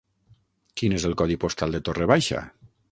Quin és el codi postal de Torre Baixa?